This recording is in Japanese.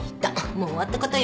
もう終わったことよ。